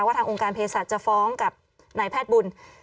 ทางองค์การเพศสัตว์จะฟ้องกับนายแพทย์บุญ